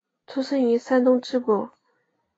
出生于山东淄博。